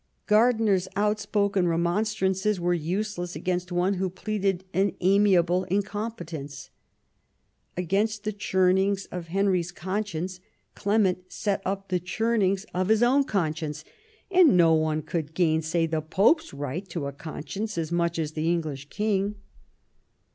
Gardiner's outspoken remonstrances were useless against one who pleaded an amiable incompetence. ^.,^, Against the chumings of Henry's conscience Clement set up the chumings of his own conscience, and no one could gainsay the Pope's right to a conscience as much as the English king.